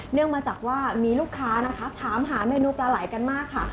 มาจากว่ามีลูกค้านะคะถามหาเมนูปลาไหล่กันมากค่ะ